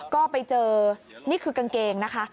ก็ไปเจอนี่คือกางเกงนะคะ